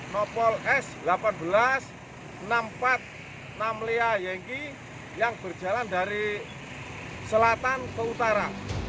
nopol s delapan belas enam ratus empat puluh enam lya yenggi yang berjalan dari selatan ke utara